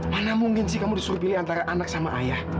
mana mungkin sih kamu disuruh pilih antara anak sama ayah